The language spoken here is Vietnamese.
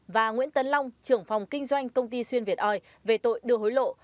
và nguyễn tấn long trưởng phòng kinh doanh công ty xuyên việt oi về tội đưa hối lộ